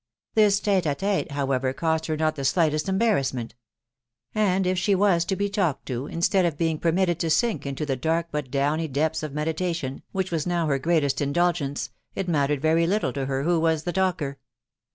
This tHe lL£Ste, how ever, caused her not the slightest embarrassment ; and if she was to be talked to, instead of being permitted to sink into 'die dark but downy depths of meditation, which 'was now her greatest indulgence, it mattered very little to her who was the talker.